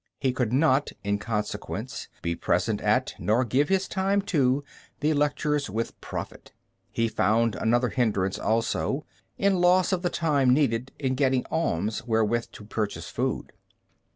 He could not, in consequence, be present at, nor give his time to, the lectures with profit. He found another hindrance, also, in loss of the time needed in getting alms wherewith to purchase food.